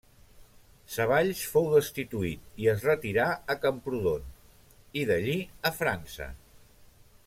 Savalls fou destituït i es retirà a Camprodon, i d'allí a França.